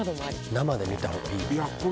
生で見た方がいい。